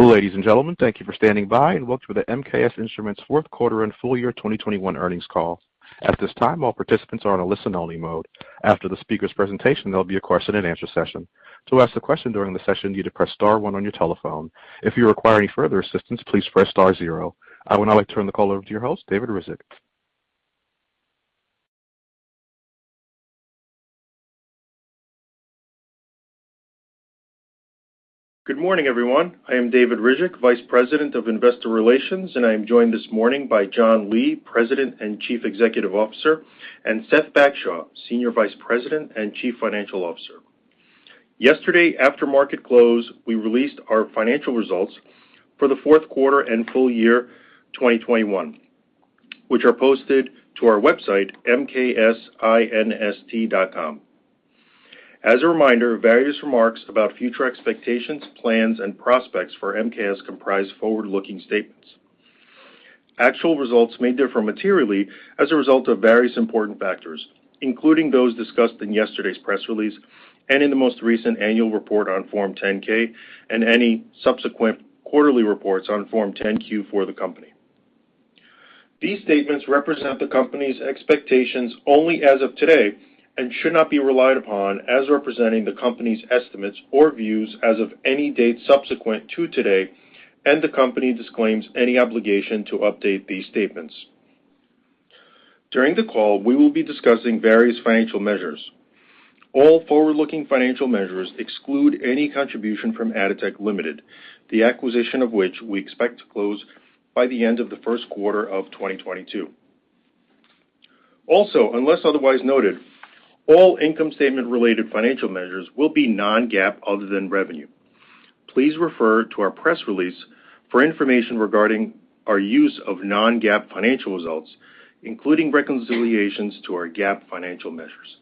Ladies and gentlemen, thank you for standing by, and welcome to the MKS Instruments Q4 and full year 2021 earnings call. At this time, all participants are in a listen only mode. After the speaker's presentation, there'll be a question and answer session. To ask a question during the session, you need to press star one on your telephone. If you require any further assistance, please press star zero. I would now like to turn the call over to your host, David Ryzhik. Good morning, everyone. I am David Ryzhik, Vice President of Investor Relations, and I am joined this morning by John Lee, President and Chief Executive Officer, and Seth Bagshaw, Senior Vice President and Chief Financial Officer. Yesterday, after market close, we released our financial results for the Q4 and full year 2021, which are posted to our website, mksinst.com. As a reminder, various remarks about future expectations, plans, and prospects for MKS comprise forward-looking statements. Actual results may differ materially as a result of various important factors, including those discussed in yesterday's press release and in the most recent annual report on Form 10-K, and any subsequent quarterly reports on Form 10-Q for the company. These statements represent the company's expectations only as of today and should not be relied upon as representing the company's estimates or views as of any date subsequent to today, and the company disclaims any obligation to update these statements. During the call, we will be discussing various financial measures. All forward-looking financial measures exclude any contribution from Atotech Limited, the acquisition of which we expect to close by the end of the Q1 of 2022. Also, unless otherwise noted, all income statement related financial measures will be non-GAAP other than revenue. Please refer to our press release for information regarding our use of non-GAAP financial results, including reconciliations to our GAAP financial measures.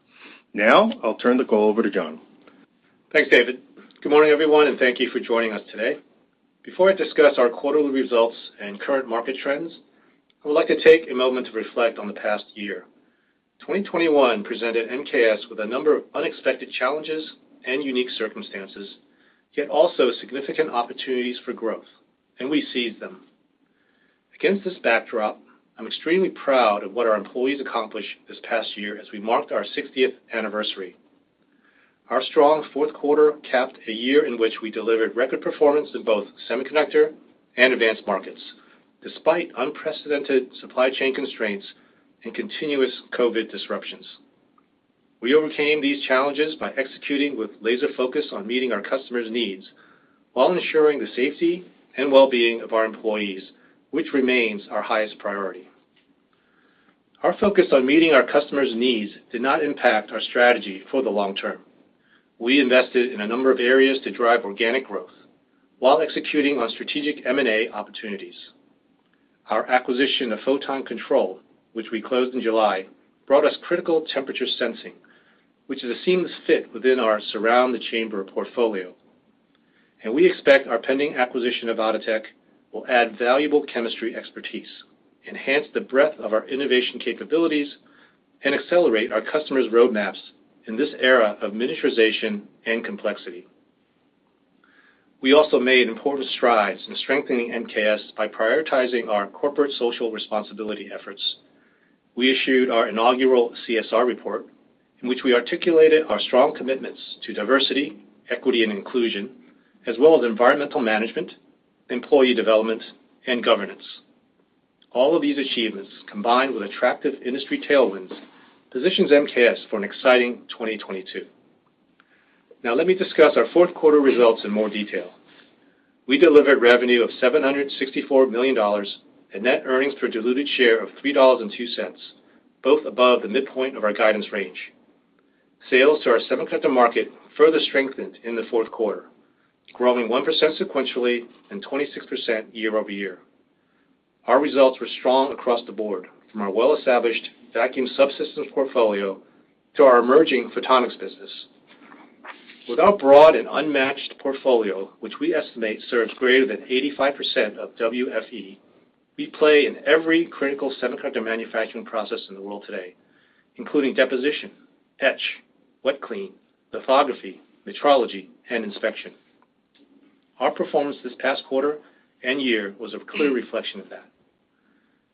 Now, I'll turn the call over to John. Thanks, David. Good morning, everyone, and thank you for joining us today. Before I discuss our quarterly results and current market trends, I would like to take a moment to reflect on the past year. 2021 presented MKS with a number of unexpected challenges and unique circumstances, yet also significant opportunities for growth, and we seized them. Against this backdrop, I'm extremely proud of what our employees accomplished this past year as we marked our 60th anniversary. Our strong Q4 capped a year in which we delivered record performance in both semiconductor and advanced markets, despite unprecedented supply chain constraints and continuous COVID disruptions. We overcame these challenges by executing with laser focus on meeting our customers' needs while ensuring the safety and well-being of our employees, which remains our highest priority. Our focus on meeting our customers' needs did not impact our strategy for the long term. We invested in a number of areas to drive organic growth while executing on strategic M&A opportunities. Our acquisition of Photon Control, which we closed in July, brought us critical temperature sensing, which is a seamless fit within our surround the chamber portfolio. We expect our pending acquisition of Atotech will add valuable chemistry expertise, enhance the breadth of our innovation capabilities, and accelerate our customers' roadmaps in this era of miniaturization and complexity. We also made important strides in strengthening MKS by prioritizing our corporate social responsibility efforts. We issued our inaugural CSR report in which we articulated our strong commitments to diversity, equity, and inclusion, as well as environmental management, employee development, and governance. All of these achievements, combined with attractive industry tailwinds, positions MKS for an exciting 2022. Now let me discuss our Q4 results in more detail. We delivered revenue of $764 million and net earnings per diluted share of $3.02, both above the midpoint of our guidance range. Sales to our semiconductor market further strengthened in the Q4, growing 1% sequentially and 26% year-over-year. Our results were strong across the board, from our well-established vacuum subsystems portfolio to our emerging photonics business. With our broad and unmatched portfolio, which we estimate serves greater than 85% of WFE, we play in every critical semiconductor manufacturing process in the world today, including deposition, etch, wet clean, lithography, metrology, and inspection. Our performance this past quarter and year was a clear reflection of that.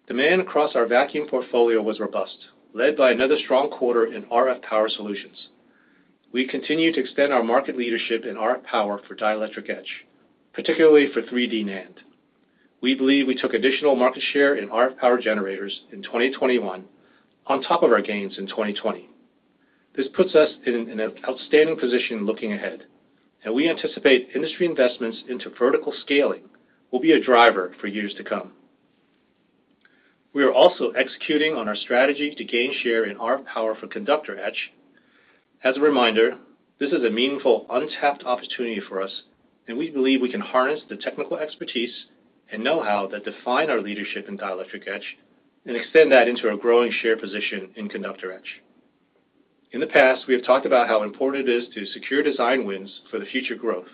Demand across our vacuum portfolio was robust, led by another strong quarter in RF power solutions. We continue to extend our market leadership in RF power for dielectric etch, particularly for 3D NAND. We believe we took additional market share in RF power generators in 2021 on top of our gains in 2020. This puts us in an outstanding position looking ahead, and we anticipate industry investments into vertical scaling will be a driver for years to come. We are also executing on our strategy to gain share in RF power for conductor etch. As a reminder, this is a meaningful, untapped opportunity for us, and we believe we can harness the technical expertise and know-how that define our leadership in dielectric etch and extend that into a growing share position in conductor etch. In the past, we have talked about how important it is to secure design wins for the future growth,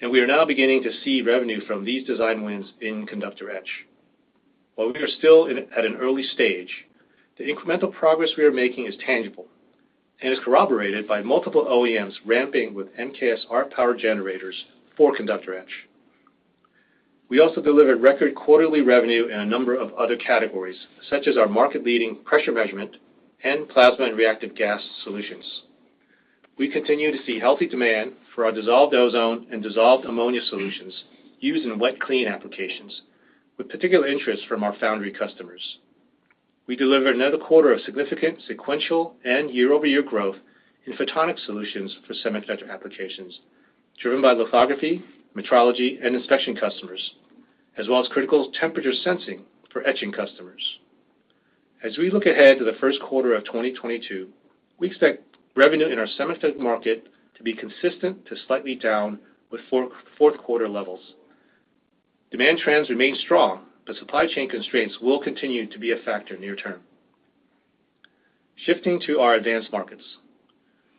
and we are now beginning to see revenue from these design wins in conductor etch. While we are still in at an early stage, the incremental progress we are making is tangible, and is corroborated by multiple OEMs ramping with MKS RF power generators for conductor etch. We also delivered record quarterly revenue in a number of other categories, such as our market-leading pressure measurement and plasma and reactive gas solutions. We continue to see healthy demand for our dissolved ozone and dissolved ammonia solutions used in wet clean applications, with particular interest from our foundry customers. We delivered another quarter of significant sequential and year-over-year growth in photonic solutions for semiconductor applications, driven by lithography, metrology, and inspection customers, as well as critical temperature sensing for etching customers. As we look ahead to the Q1 of 2022, we expect revenue in our semiconductor market to be consistent to slightly down with Q4 levels. Demand trends remain strong, but supply chain constraints will continue to be a factor near term. Shifting to our advanced markets.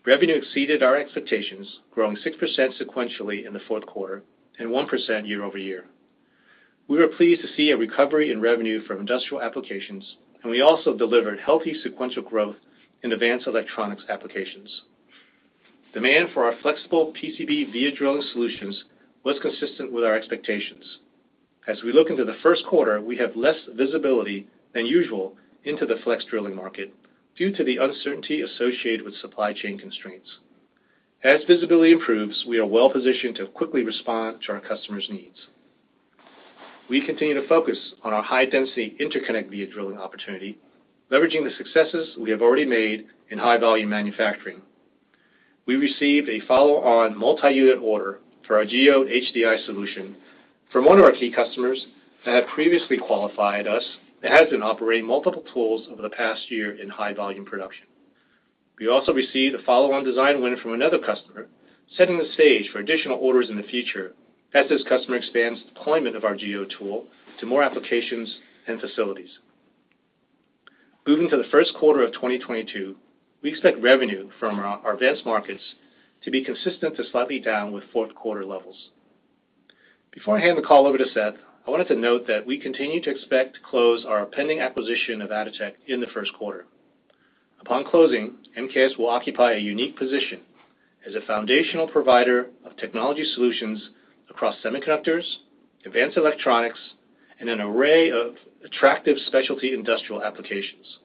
Revenue exceeded our expectations, growing 6% sequentially in the Q4 and 1% year-over-year. We were pleased to see a recovery in revenue from industrial applications, and we also delivered healthy sequential growth in advanced electronics applications. Demand for our flexible PCB via drilling solutions was consistent with our expectations. As we look into the Q1, we have less visibility than usual into the flex drilling market due to the uncertainty associated with supply chain constraints. As visibility improves, we are well-positioned to quickly respond to our customers' needs. We continue to focus on our high-density interconnect via drilling opportunity, leveraging the successes we have already made in high-volume manufacturing. We received a follow-on multi-unit order for our Geode HDI solution from one of our key customers that had previously qualified us and has been operating multiple tools over the past year in high-volume production. We also received a follow-on design win from another customer, setting the stage for additional orders in the future as this customer expands deployment of our Geode tool to more applications and facilities. Moving to the Q1 of 2022, we expect revenue from our advanced markets to be consistent to slightly down with Q4 levels. Before I hand the call over to Seth, I wanted to note that we continue to expect to close our pending acquisition of Atotech in the Q4. Upon closing, MKS will occupy a unique position as a foundational provider of technology solutions across semiconductors, advanced electronics, and an array of attractive specialty industrial applications.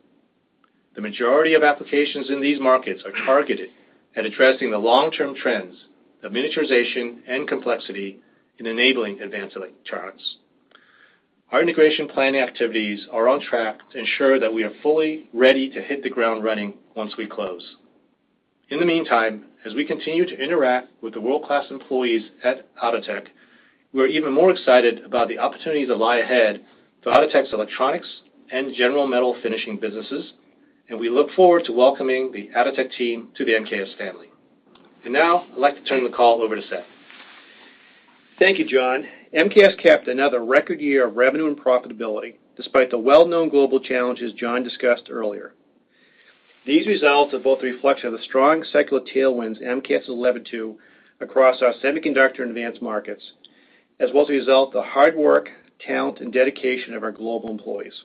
The majority of applications in these markets are targeted at addressing the long-term trends of miniaturization and complexity in enabling advanced electronics. Our integration planning activities are on track to ensure that we are fully ready to hit the ground running once we close. In the meantime, as we continue to interact with the world-class employees at Atotech, we're even more excited about the opportunities that lie ahead for Atotech's electronics and general metal finishing businesses, and we look forward to welcoming the Atotech team to the MKS family. Now, I'd like to turn the call over to Seth. Thank you, John. MKS capped another record year of revenue and profitability despite the well-known global challenges John discussed earlier. These results are both a reflection of the strong secular tailwinds MKS has levered to across our semiconductor and advanced markets, as well as a result of the hard work, talent, and dedication of our global employees.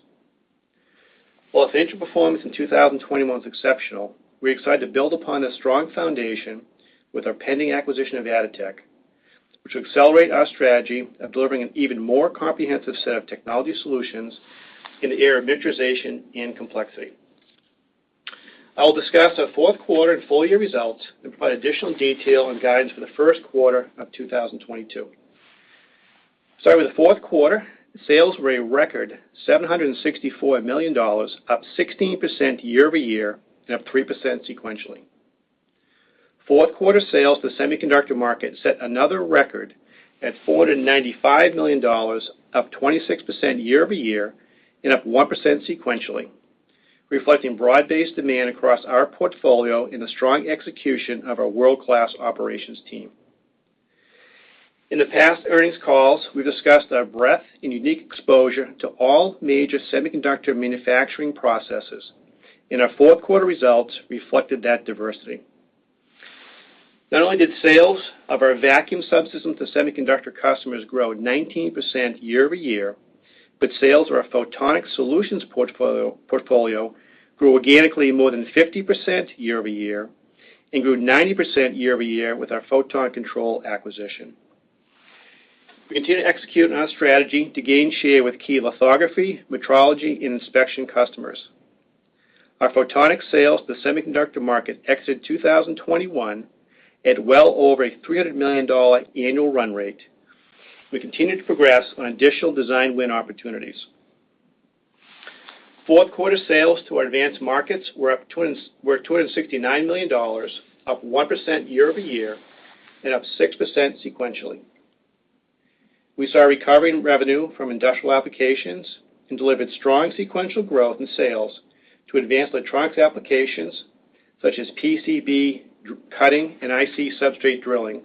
While financial performance in 2021 was exceptional, we're excited to build upon a strong foundation with our pending acquisition of Atotech, which will accelerate our strategy of delivering an even more comprehensive set of technology solutions in the era of miniaturization and complexity. I'll discuss our Q4 and full-year results and provide additional detail and guidance for the Q1 of 2022. Starting with the Q4 sales were a record $764 million, up 16% year-over-year and up 3% sequentially. Q4 sales to the semiconductor market set another record at $495 million, up 26% year-over-year and up 1% sequentially, reflecting broad-based demand across our portfolio and the strong execution of our world-class operations team. In the past earnings calls, we discussed our breadth and unique exposure to all major semiconductor manufacturing processes, and our Q4 results reflected that diversity. Not only did sales of our vacuum subsystems to semiconductor customers grow 19% year-over-year, but sales of our photonic solutions portfolio grew organically more than 50% year-over-year and grew 90% year-over-year with our Photon Control acquisition. We continue to execute on our strategy to gain share with key lithography, metrology, and inspection customers. Our photonic sales to the semiconductor market exited 2021 at well over a $300 million annual run rate. We continue to progress on additional design win opportunities. Q4 sales to our advanced markets were $269 million, up 1% year-over-year and up 6% sequentially. We saw a recovery in revenue from industrial applications and delivered strong sequential growth in sales to advanced electronics applications, such as PCB cutting and IC substrate drilling,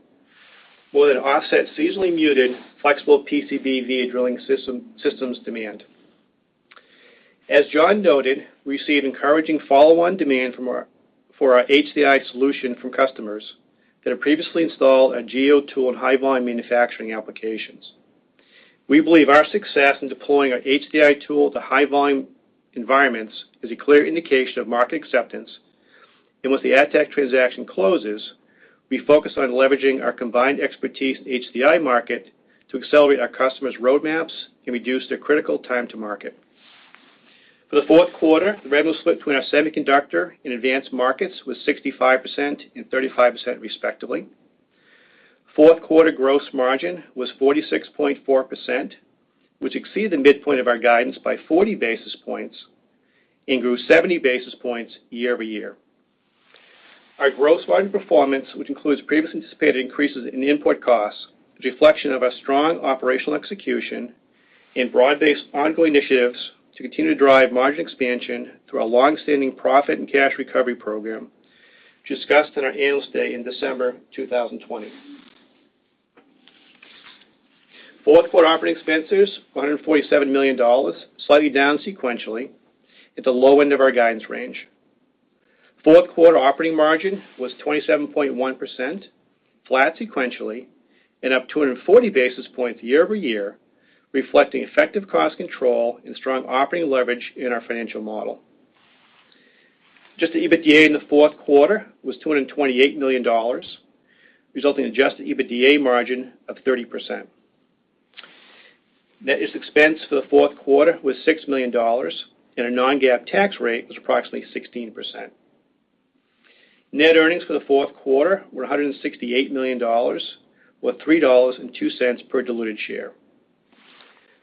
more than offset seasonally muted flexible PCB via drilling system, systems demand. As John noted, we see an encouraging follow-on demand for our HDI solution from customers that have previously installed a Geode tool in high-volume manufacturing applications. We believe our success in deploying our HDI tool to high-volume environments is a clear indication of market acceptance. Once the Atotech transaction closes, we focus on leveraging our combined expertise in the HDI market to accelerate our customers' roadmaps and reduce their critical time to market. For the Q4, the revenue split between our semiconductor and advanced markets was 65% and 35%, respectively. Q4 gross margin was 46.4%, which exceeded the midpoint of our guidance by 40 basis points and grew 70 basis points year-over-year. Our gross margin performance, which includes previously anticipated increases in input costs, is a reflection of our strong operational execution and broad-based ongoing initiatives to continue to drive margin expansion through our long-standing profit and cash recovery program, which we discussed in our Analyst Day in December 2020. Q4 operating expenses, $447 million, slightly down sequentially at the low end of our guidance range. Q4 operating margin was 27.1%, flat sequentially, and up 240 basis points year-over-year, reflecting effective cost control and strong operating leverage in our financial model. Adjusted EBITDA in the Q4 was $228 million, resulting in adjusted EBITDA margin of 30%. Net interest expense for the Q4 was $6 million, and our non-GAAP tax rate was approximately 16%. Net earnings for the Q4 were $168 million, or $3.02 per diluted share.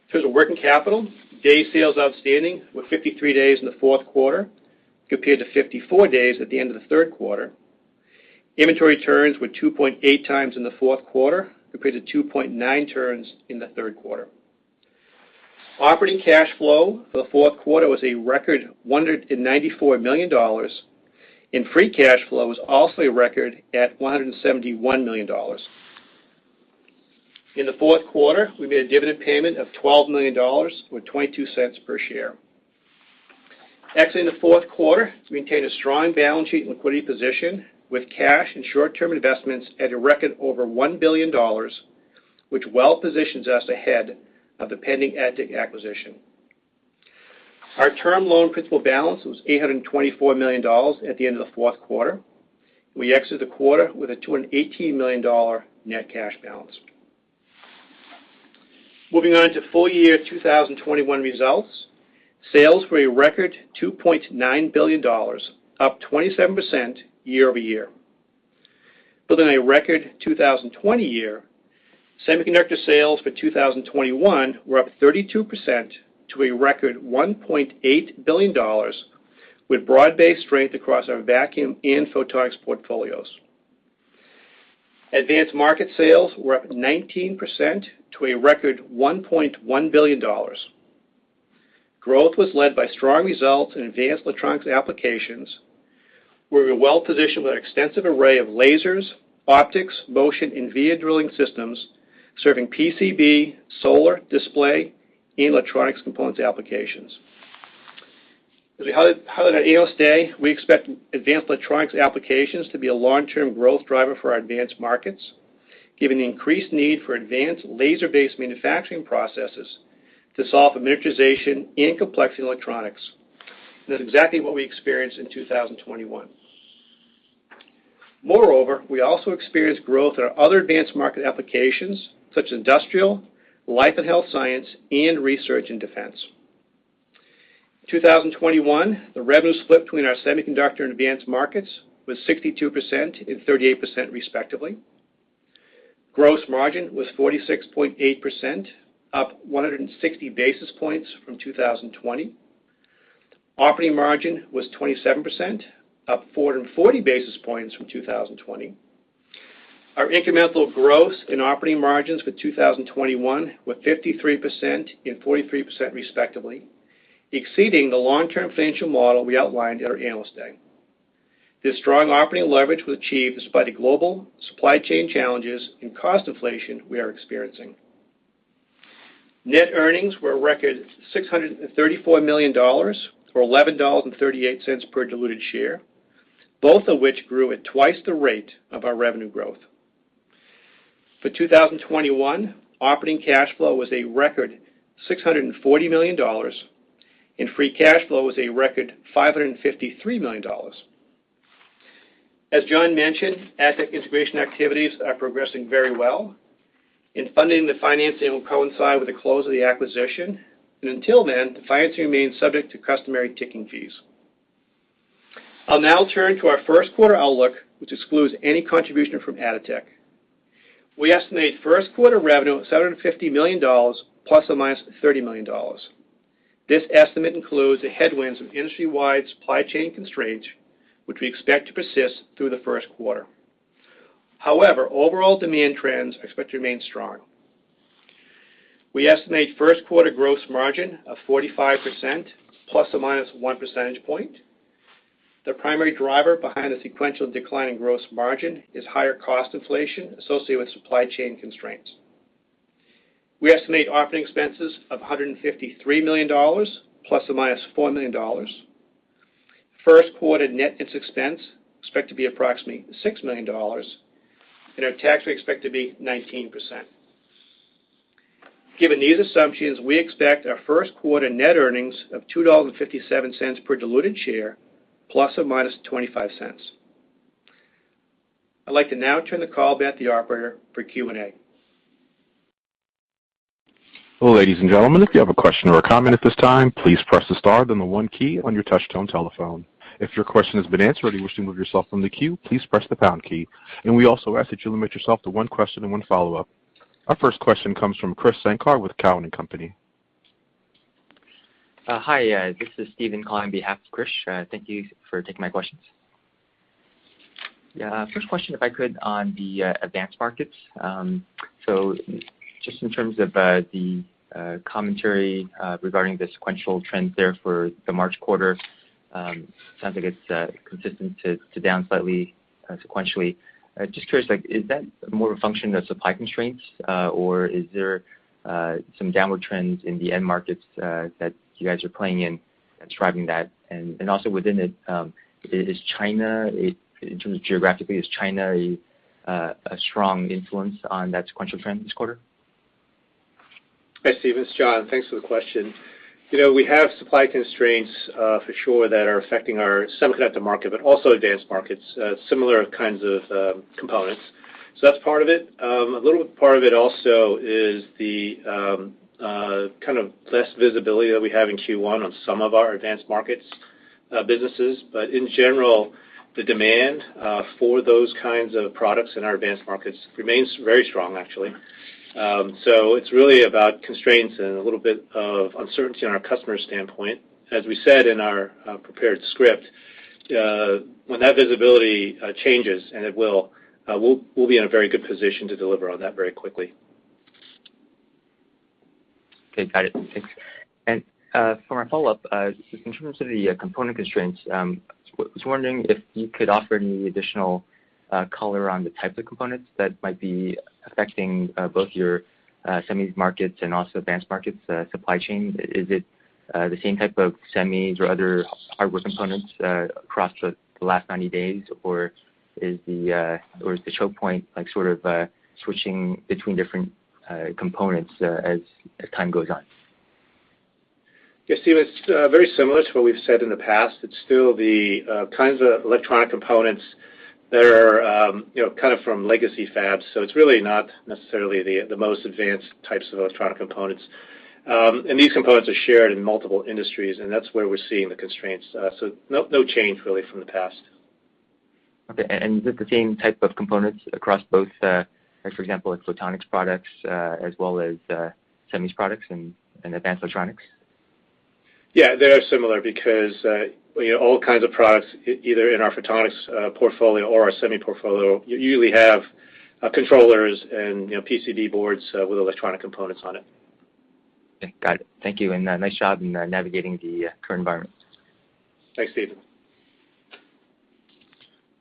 In terms of working capital, days sales outstanding were 53 days in the Q4, compared to 54 days at the end of the Q3. Inventory turns were 2.8 times in the Q4, compared to 2.9 turns in the Q3. Operating cash flow for the Q4 was a record $194 million, and free cash flow was also a record at $171 million. In the Q4, we made a dividend payment of $12 million, or $0.22 per share. Actually, in the Q4 we maintained a strong balance sheet and liquidity position with cash and short-term investments at a record over $1 billion, which well positions us ahead of the pending Atotech acquisition. Our term loan principal balance was $824 million at the end of the Q4. We exited the quarter with a $218 million net cash balance. Moving on to full year 2021 results. Sales were a record $2.9 billion, up 27% year-over-year. Building on a record 2020 year, semiconductor sales for 2021 were up 32% to a record $1.8 billion, with broad-based strength across our vacuum and photonics portfolios. Advanced market sales were up 19% to a record $1.1 billion. Growth was led by strong results in advanced electronics applications, where we're well-positioned with an extensive array of lasers, optics, motion, and via drilling systems, serving PCB, solar, display, and electronics components applications. As we highlighted at Analyst Day, we expect advanced electronics applications to be a long-term growth driver for our advanced markets, given the increased need for advanced laser-based manufacturing processes to solve for miniaturization and complexity in electronics. That's exactly what we experienced in 2021. Moreover, we also experienced growth in our other advanced market applications, such as industrial, life and health science, and research and defense. In 2021, the revenue split between our semiconductor and advanced markets was 62% and 38%, respectively. Gross margin was 46.8%, up 160 basis points from 2020. Operating margin was 27%, up 440 basis points from 2020. Our incremental gross and operating margins for 2021 were 53% and 43%, respectively, exceeding the long-term financial model we outlined at our Analyst Day. This strong operating leverage was achieved despite the global supply chain challenges and cost inflation we are experiencing. Net earnings were a record $634 million, or $11.38 per diluted share, both of which grew at twice the rate of our revenue growth. For 2021, operating cash flow was a record $640 million, and free cash flow was a record $553 million. As John mentioned, Atotech integration activities are progressing very well, and funding the financing will coincide with the close of the acquisition. Until then, the financing remains subject to customary ticking fees. I'll now turn to our Q1 outlook, which excludes any contribution from Atotech. We estimate Q1 revenue at $750 million ± $30 million. This estimate includes the headwinds of industry-wide supply chain constraints, which we expect to persist through the Q1. However, overall demand trends are expected to remain strong. We estimate Q1 gross margin of 45%, ±1 percentage point. The primary driver behind the sequential decline in gross margin is higher cost inflation associated with supply chain constraints. We estimate operating expenses of $153 million ±$4 million. Q1 interest expense expected to be approximately $6 million, and our tax rate we expect to be 19%. Given these assumptions, we expect our Q1 net earnings of $2.57 per diluted share ±$0.25. I'd like to now turn the call back to the operator for Q&A. Ladies and gentlemen, if you have a question or a comment at this time, please press the star, then the one key on your touchtone telephone. If your question has been answered or you wish to remove yourself from the queue, please press the pound key. We also ask that you limit yourself to one question and one follow-up. Our first question comes from Krish Sankar with Cowen and Company. Hi, this is Steven on behalf of Krish. Thank you for taking my questions. Yeah, first question, if I could, on the advanced markets. So just in terms of the commentary regarding the sequential trends there for the March quarter, sounds like it's consistent to down slightly sequentially. Just curious, like, is that more a function of supply constraints, or is there some downward trends in the end markets that you guys are playing in describing that? Also within it, is China, in terms of geographically, a strong influence on that sequential trend this quarter? Hey, Steven, it's John. Thanks for the question. You know, we have supply constraints, for sure that are affecting our semiconductor market, but also advanced markets, similar kinds of, components. That's part of it. A little part of it also is the, kind of less visibility that we have in Q1 on some of our advanced markets, businesses. In general, the demand, for those kinds of products in our advanced markets remains very strong, actually. It's really about constraints and a little bit of uncertainty on our customer standpoint. As we said in our, prepared script, when that visibility, changes, and it will, we'll be in a very good position to deliver on that very quickly. Okay. Got it. Thanks. For my follow-up, just in terms of the component constraints, just wondering if you could offer any additional color on the type of components that might be affecting both your semis markets and also advanced markets supply chain. Is it the same type of semis or other hardware components across the last 90 days, or is the choke point like sort of switching between different components as time goes on? Yeah, Steven, it's very similar to what we've said in the past. It's still the kinds of electronic components that are, you know, kind of from legacy fabs, so it's really not necessarily the most advanced types of electronic components. These components are shared in multiple industries, and that's where we're seeing the constraints. No change really from the past. Okay. Is it the same type of components across both, for example, like photonics products, as well as, semis products and advanced electronics? Yeah, they are similar because, you know, all kinds of products, either in our photonics portfolio or our semi portfolio, you usually have controllers and, you know, PCB boards with electronic components on it. Okay. Got it. Thank you. Nice job in navigating the current environment. Thanks, Steven.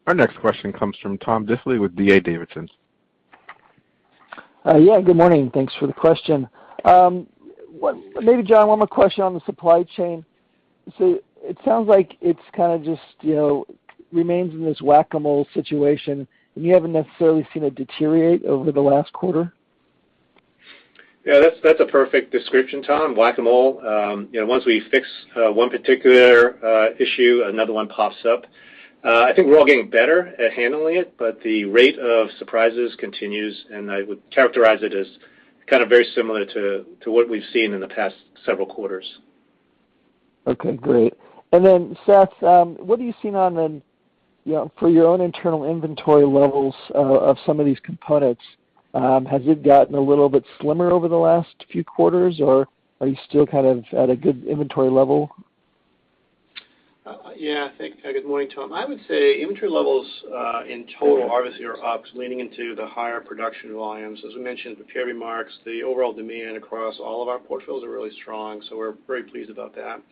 Our next question comes from Tom Diffely with D.A. Davidson. Yeah, good morning. Thanks for the question. Maybe, John, one more question on the supply chain. It sounds like it's kind of just, you know, remains in this whack-a-mole situation, and you haven't necessarily seen it deteriorate over the last quarter? Yeah, that's a perfect description, Tom. Whack-a-mole. You know, once we fix one particular issue, another one pops up. I think we're all getting better at handling it, but the rate of surprises continues, and I would characterize it as kind of very similar to what we've seen in the past several quarters. Okay, great. Seth, what are you seeing on the, you know, for your own internal inventory levels of some of these components? Has it gotten a little bit slimmer over the last few quarters, or are you still kind of at a good inventory level? Yeah. Thanks. Good morning, Tom. I would say inventory levels in total obviously are up, leaning into the higher production volumes. As we mentioned in the prepared remarks, the overall demand across all of our portfolios are really strong, so we're very pleased about that.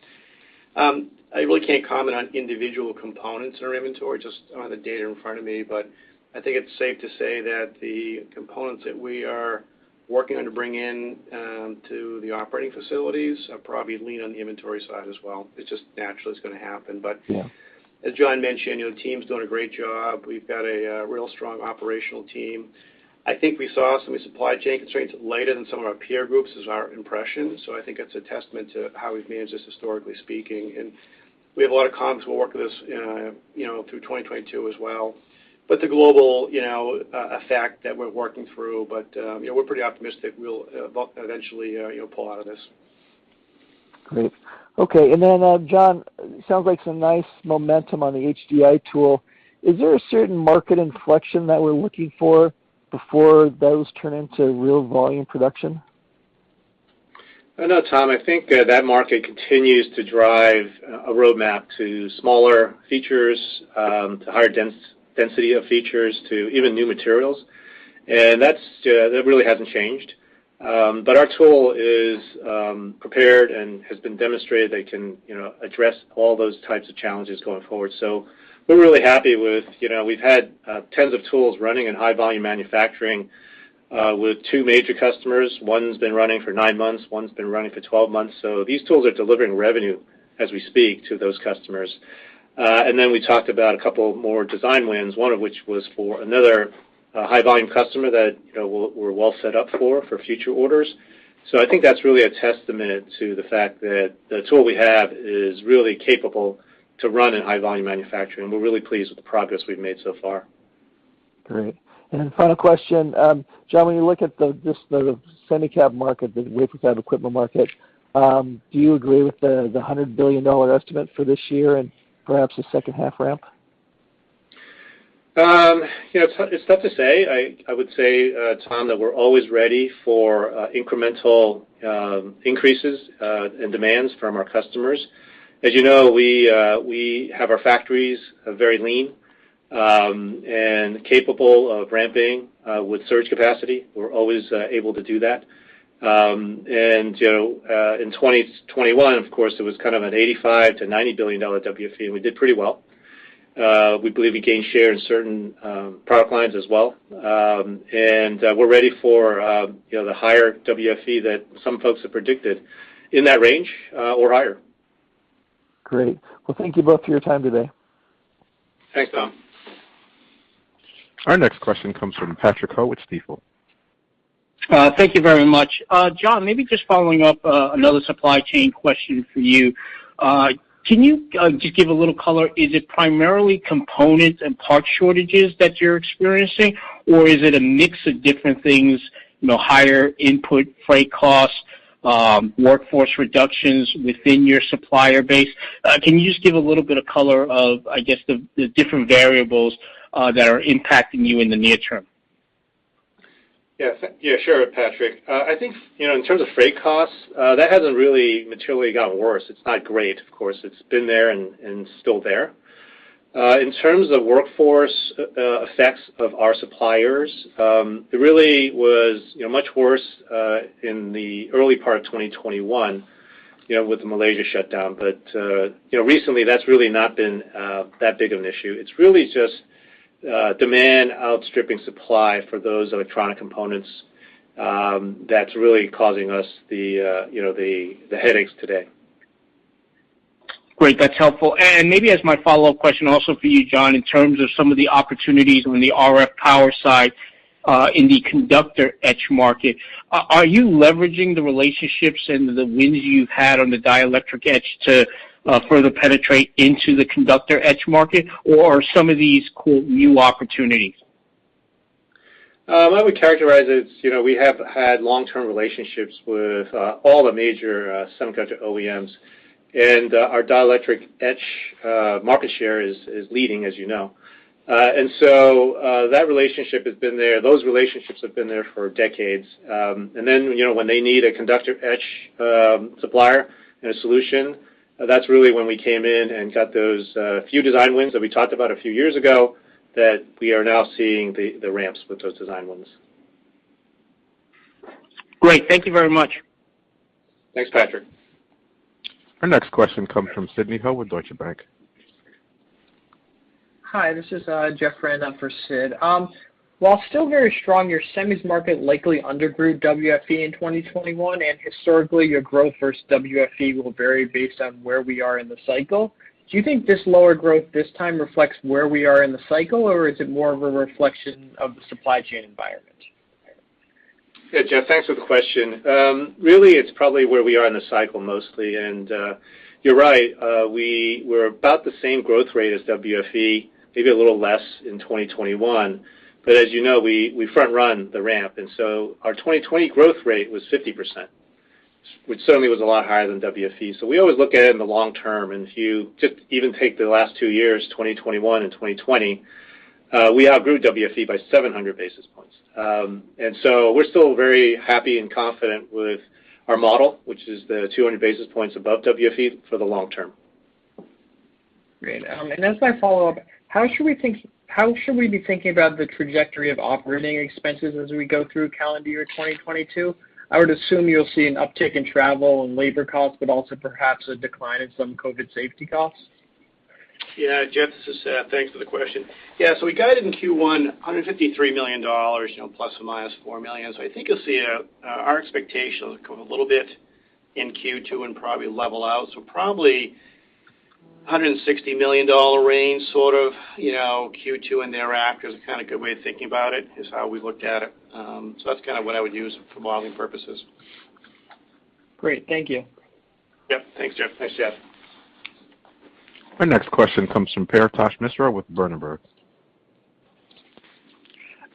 I really can't comment on individual components in our inventory. I just don't have the data in front of me, but I think it's safe to say that the components that we are working on to bring in to the operating facilities are probably lean on the inventory side as well. It's just natural. It's gonna happen. Yeah. As John mentioned, you know, the team's doing a great job. We've got a real strong operational team. I think we saw some of the supply chain constraints later than some of our peer groups, is our impression, so I think it's a testament to how we've managed this historically speaking. We have a lot of comps we'll work with this, you know, through 2022 as well, the global, you know, effect that we're working through. You know, we're pretty optimistic we'll eventually, you know, pull out of this. Great. Okay. John, sounds like some nice momentum on the HDI tool. Is there a certain market inflection that we're looking for before those turn into real volume production? No, Tom, I think that market continues to drive a roadmap to smaller features, to higher density of features to even new materials. That really hasn't changed. Our tool is prepared and has been demonstrated they can you know, address all those types of challenges going forward. We're really happy with, you know, we've had tens of tools running in high volume manufacturing with two major customers. One's been running for nine months, one's been running for 12 months. These tools are delivering revenue as we speak to those customers. Then we talked about a couple more design wins, one of which was for another high-volume customer that, you know, we're well set up for future orders. I think that's really a testament to the fact that the tool we have is really capable to run in high volume manufacturing. We're really pleased with the progress we've made so far. Great. Final question. John, when you look at the just the semi cap market, the wafer fab equipment market, do you agree with the $100 billion estimate for this year and perhaps a second half ramp? You know, it's tough to say. I would say, Tom, that we're always ready for incremental increases and demands from our customers. As you know, we have our factories very lean and capable of ramping with surge capacity. We're always able to do that. You know, in 2021, of course, it was kind of a $85 billion-$90 billion WFE, and we did pretty well. We believe we gained share in certain product lines as well. We're ready for, you know, the higher WFE that some folks have predicted in that range or higher. Great. Well, thank you both for your time today. Thanks, Tom. Our next question comes from Patrick Ho with Stifel. Thank you very much. John, maybe just following up, another supply chain question for you. Can you just give a little color, is it primarily components and parts shortages that you're experiencing, or is it a mix of different things, you know, higher input freight costs, workforce reductions within your supplier base? Can you just give a little bit of color of, I guess, the different variables that are impacting you in the near term? Yeah, yeah, sure, Patrick. I think, you know, in terms of freight costs, that hasn't really materially gotten worse. It's not great, of course. It's been there and still there. In terms of workforce effects of our suppliers, it really was, you know, much worse in the early part of 2021, you know, with the Malaysia shutdown. Recently, that's really not been that big of an issue. It's really just demand outstripping supply for those electronic components that's really causing us the, you know, the headaches today. Great. That's helpful. Maybe as my follow-up question also for you, John, in terms of some of the opportunities on the RF power side, in the conductor etch market, are you leveraging the relationships and the wins you've had on the dielectric etch to further penetrate into the conductor etch market, or are some of these quote new opportunities? I would characterize it as, you know, we have had long-term relationships with all the major semiconductor OEMs, and our dielectric etch market share is leading, as you know. That relationship has been there. Those relationships have been there for decades. You know, when they need a conductor etch supplier and a solution, that's really when we came in and got those few design wins that we talked about a few years ago, that we are now seeing the ramps with those design wins. Great. Thank you very much. Thanks, Patrick. Our next question comes from Sidney Ho with Deutsche Bank. Hi, this is Jeff Rand for Sid. While still very strong, your semis market likely undergrew WFE in 2021, and historically, your growth versus WFE will vary based on where we are in the cycle. Do you think this lower growth this time reflects where we are in the cycle, or is it more of a reflection of the supply chain environment? Yeah, Jeff, thanks for the question. Really, it's probably where we are in the cycle mostly. You're right, we were about the same growth rate as WFE, maybe a little less in 2021. As you know, we front run the ramp, and so our 2020 growth rate was 50%, which certainly was a lot higher than WFE. We always look at it in the long term. If you just even take the last two years, 2021 and 2020, we outgrew WFE by 700 basis points. We're still very happy and confident with our model, which is the 200 basis points above WFE for the long term. Great. As my follow-up, how should we be thinking about the trajectory of operating expenses as we go through calendar year 2022? I would assume you'll see an uptick in travel and labor costs, but also perhaps a decline in some COVID safety costs. Yeah, Jeff, this is Seth. Thanks for the question. Yeah, we guided in Q1 $153 million, you know, ±$4 million. I think you'll see our expectations go a little bit in Q2 and probably level out. Probably $160 million range, sort of, you know, Q2 and thereafter is a kind of good way of thinking about it, is how we looked at it. That's kind of what I would use for modeling purposes. Great. Thank you. Yep. Thanks, Jeff. Thanks, Jeff. Our next question comes from Paretosh Misra with Berenberg.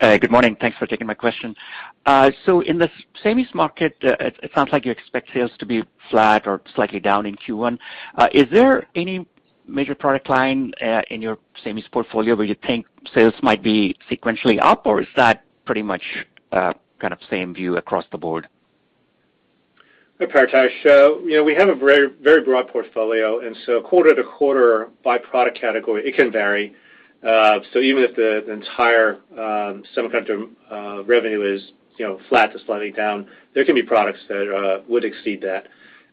Good morning. Thanks for taking my question. In the semis market, it sounds like you expect sales to be flat or slightly down in Q1. Is there any major product line in your semis portfolio where you think sales might be sequentially up, or is that pretty much kind of same view across the board? Paretosh, you know, we have a very, very broad portfolio, and quarter to quarter by product category, it can vary. Even if the entire semiconductor revenue is, you know, flat to slightly down, there can be products that would exceed that.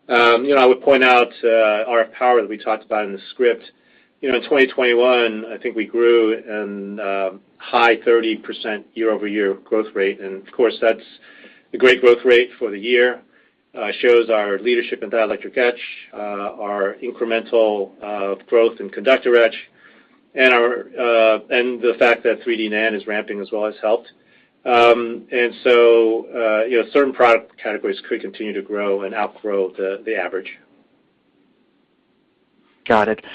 You know, I would point out RF power that we talked about in the script. You know, in 2021, I think we grew in high 30% year-over-year growth rate. Of course, that's a great growth rate for the year, shows our leadership in dielectric etch, our incremental growth in conductor etch, and the fact that 3D NAND is ramping as well has helped. You know, certain product categories could continue to grow and outgrow the average. Got it.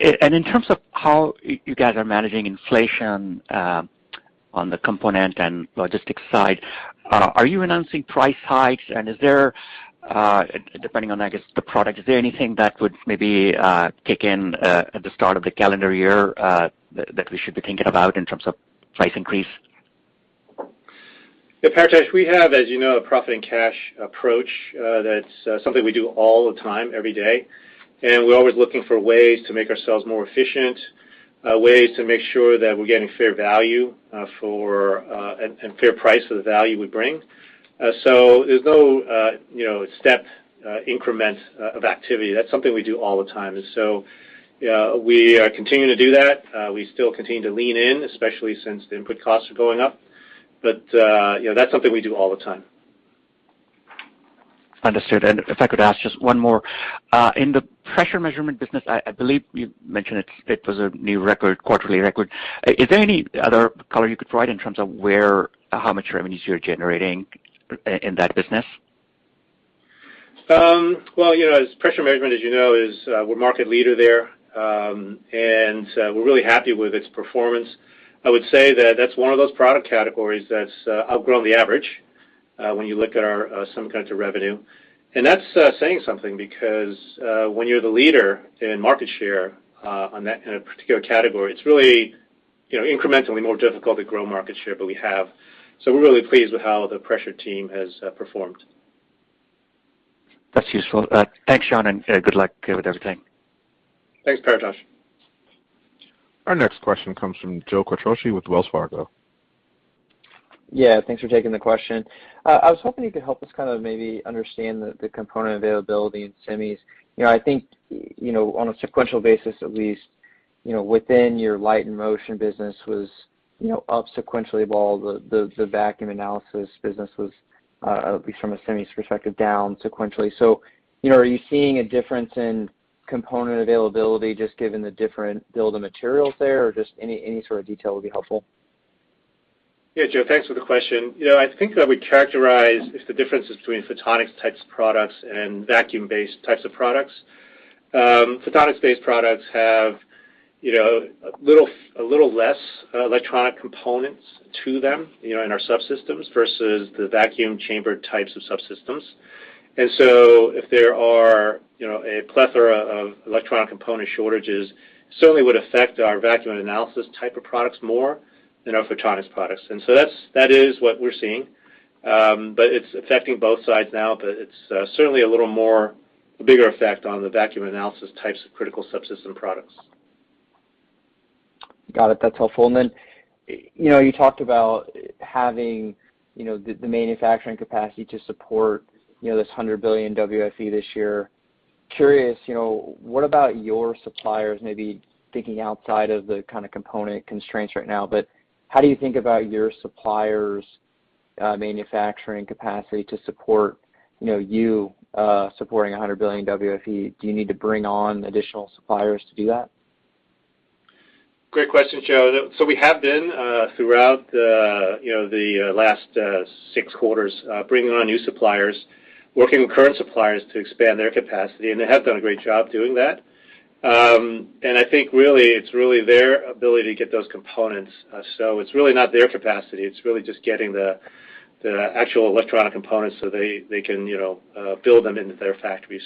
In terms of how you guys are managing inflation, on the component and logistics side, are you announcing price hikes? Is there, depending on, I guess, the product, is there anything that would maybe kick in at the start of the calendar year, that we should be thinking about in terms of price increase? Yeah, Paretosh, we have, as you know, a profit and cash approach, that's something we do all the time, every day. We're always looking for ways to make ourselves more efficient, ways to make sure that we're getting fair value for and fair price for the value we bring. There's no, you know, step increment of activity. That's something we do all the time. We are continuing to do that. We still continue to lean in, especially since the input costs are going up. You know, that's something we do all the time. Understood. If I could ask just one more. In the pressure measurement business, I believe you mentioned it was a new record, quarterly record. Is there any other color you could provide in terms of where or how much revenues you're generating in that business? Well, you know, as pressure measurement, as you know, is. We're market leader there. We're really happy with its performance. I would say that that's one of those product categories that's outgrown the average when you look at our semiconductors revenue. That's saying something because when you're the leader in market share on that kind of particular category, it's really, you know, incrementally more difficult to grow market share, but we have. We're really pleased with how the pressure team has performed. That's useful. Thanks, John, and good luck with everything. Thanks, Paretosh. Our next question comes from Joe Quatrochi with Wells Fargo. Yeah, thanks for taking the question. I was hoping you could help us kind of maybe understand the component availability in semis. You know, I think you know, on a sequential basis at least, you know, within your Light & Motion business was up sequentially while the Vacuum & Analysis business was at least from a semis perspective, down sequentially. You know, are you seeing a difference in component availability just given the different bill of materials there or just any sort of detail would be helpful. Yeah, Joe, thanks for the question. You know, I think that we characterize it as the differences between photonics types of products and vacuum-based types of products. Photonics-based products have, you know, a little less electronic components to them, you know, in our subsystems versus the vacuum chamber types of subsystems. If there are, you know, a plethora of electronic component shortages, certainly would affect our Vacuum & Analysis type of products more than our photonics products. That's what we're seeing. It's affecting both sides now, it's certainly a little more bigger effect on the Vacuum & Analysis types of critical subsystem products. Got it. That's helpful. Then, you know, you talked about having, you know, the manufacturing capacity to support, you know, this $100 billion WFE this year. Curious, you know, what about your suppliers, maybe thinking outside of the kind of component constraints right now, but how do you think about your suppliers' manufacturing capacity to support, you know, you supporting $100 billion WFE? Do you need to bring on additional suppliers to do that? Great question, Joe. We have been throughout you know the last six quarters bringing on new suppliers, working with current suppliers to expand their capacity, and they have done a great job doing that. I think really, it's really their ability to get those components. It's really not their capacity, it's really just getting the actual electronic components so they can you know build them into their factories.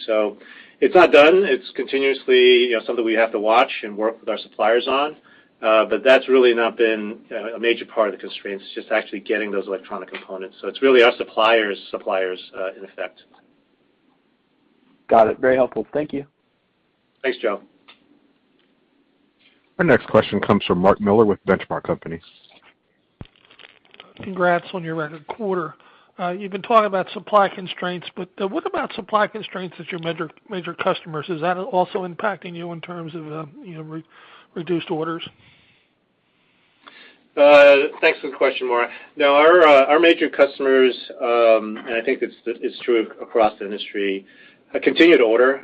It's not done. It's continuously you know something we have to watch and work with our suppliers on. That's really not been a major part of the constraints, just actually getting those electronic components. It's really our suppliers in effect. Got it. Very helpful. Thank you. Thanks, Joe. Our next question comes from Mark Miller with Benchmark Company. Congrats on your record quarter. You've been talking about supply constraints, but what about supply constraints at your major customers? Is that also impacting you in terms of, you know, reduced orders? Thanks for the question, Mark. No, our major customers, and I think it's true across the industry, continue to order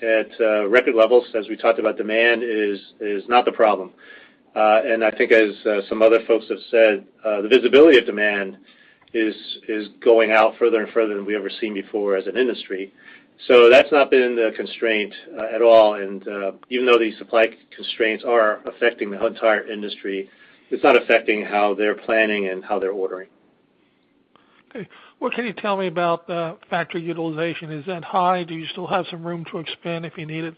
at record levels, as we talked about. Demand is not the problem. I think as some other folks have said, the visibility of demand is going out further and further than we've ever seen before as an industry. That's not been the constraint at all. Even though these supply constraints are affecting the entire industry, it's not affecting how they're planning and how they're ordering. Okay. What can you tell me about factory utilization? Is that high? Do you still have some room to expand if you need it?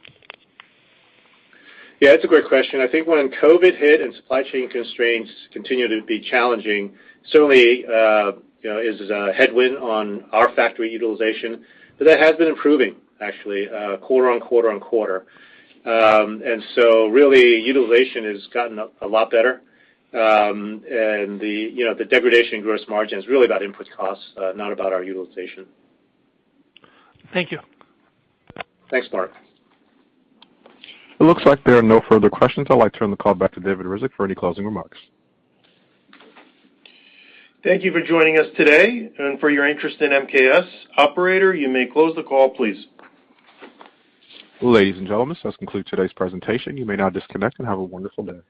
Yeah, it's a great question. I think when COVID hit and supply chain constraints continued to be challenging, certainly, you know, is a headwind on our factory utilization, but that has been improving actually, quarter-over-quarter. Really utilization has gotten a lot better. You know, the degradation in gross margin is really about input costs, not about our utilization. Thank you. Thanks, Mark. It looks like there are no further questions. I'd like to turn the call back to David Ryzhik for any closing remarks. Thank you for joining us today and for your interest in MKS. Operator, you may close the call, please. Ladies and gentlemen, this concludes today's presentation. You may now disconnect and have a wonderful day.